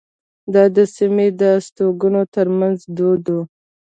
دا د سیمې د استوګنو ترمنځ دود وو.